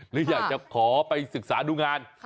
หรืออยากจะขอไปศึกษาดูงาน